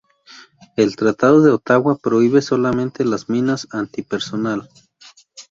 El Tratado de Ottawa prohíbe solamente las minas antipersonal.